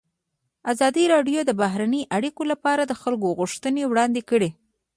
ازادي راډیو د بهرنۍ اړیکې لپاره د خلکو غوښتنې وړاندې کړي.